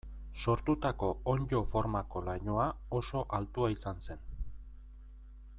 Sortutako onddo formako lainoa oso altua izan zen.